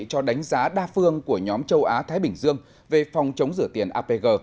cho đánh giá đa phương của nhóm châu á thái bình dương về phòng chống rửa tiền apg